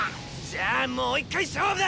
じゃあもう一回勝負だ！